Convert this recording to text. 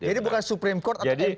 jadi bukan supreme court atau mk